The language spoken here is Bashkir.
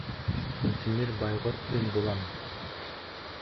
— Сынтимер Байғотлин булам.